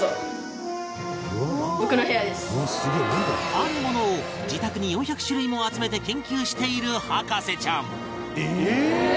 あるものを自宅に４００種類も集めて研究している博士ちゃん